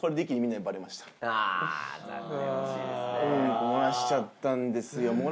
うんこ漏らしちゃったんですよ